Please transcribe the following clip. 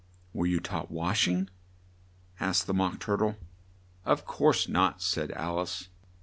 "Were you taught wash ing?" asked the Mock Tur tle. "Of course not," said Al ice.